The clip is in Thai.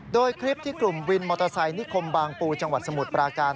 โดยคลิปที่กลุ่มวินมอเตอร์ไซค์นิคมบางปูจังหวัดสมุทรปราการ